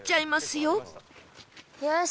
よし！